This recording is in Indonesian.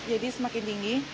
jadi semakin tinggi